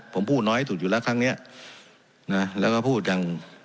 ผมพูดน้อยสุดอยู่แล้วครั้งเนี้ยนะแล้วก็พูดอย่าง